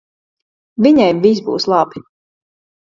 Viņai viss būs labi.